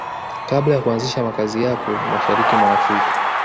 Kabla ya kuanzisha makazi yako Mashariki mwa Afrika